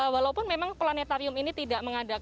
walaupun memang planetarium ini tidak mengadakan